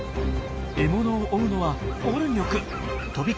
獲物を追うのはオルニョク。